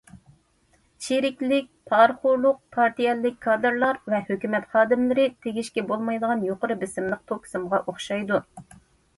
چىرىكلىك، پارىخورلۇق پارتىيەلىك كادىرلار ۋە ھۆكۈمەت خادىملىرى تېگىشكە بولمايدىغان يۇقىرى بېسىملىق توك سىمىغا ئوخشايدۇ.